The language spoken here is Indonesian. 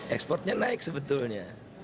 ekspornya naik sebetulnya